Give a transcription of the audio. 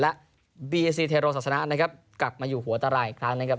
และบีเอซีเทโรศาสนานะครับกลับมาอยู่หัวตารางอีกครั้งนะครับ